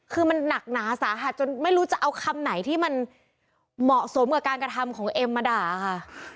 คือมันหนักหนาสาหัสจนไม่รู้จะเอาคำไหนที่มันเหมาะสมกับการกระทำของเอ็มมาด่าค่ะ